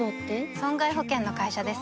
損害保険の会社です